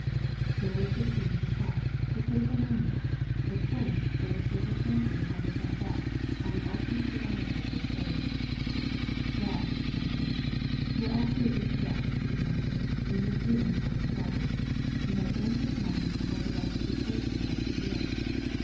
Here was the turn of the talk, the critical mo ment, the point where the chosen counsellor had to fall back upon the ultimate reality of his faith. "Well," I said, "you are absolutely correct, dear daughter, in your feeling toward your father. He has earned his money and has a right to dispose of it as he will.